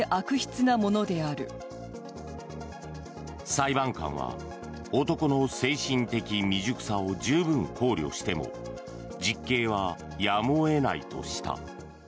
裁判官は、男の精神的未熟さを十分考慮しても実刑はやむを得ないとした。